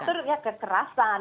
ya mengatur kekerasan